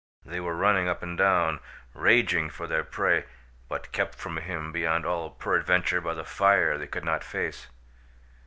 They were running up and down, raging for their prey, but kept from him beyond all peradventure by the fire they could not face.